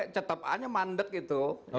hanya mandek itu